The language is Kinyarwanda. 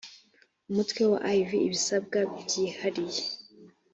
umutwe wa iv ibisabwa byihariye